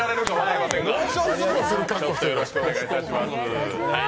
よろしくお願いします。